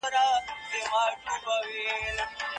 ټولنیز نظم د ګډو اصولو له ماتېدو نه پاتې کېږي.